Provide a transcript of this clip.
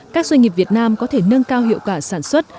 các doanh nghiệp việt nam có thể nâng cao hiệu quả sản xuất